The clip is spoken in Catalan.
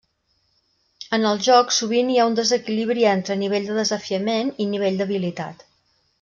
En els jocs sovint hi ha un desequilibri entre nivell de desafiament i nivell d'habilitat.